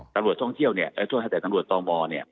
แต่ตรงเที่ยวเนี่ยตั้งแต่ตรงเที่ยวต้องมอเนี่ย